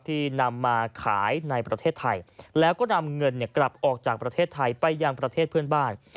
ที่นำมาขายในประเทศไทยแล้วก็นำเงินกลับออกจากประเทศไทยไปยังประเทศเพื่อนบ้าน